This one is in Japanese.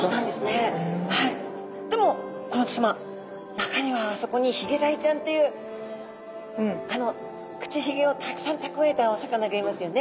中にはあそこにヒゲダイちゃんというあの口ひげをたくさんたくわえたお魚がいますよね。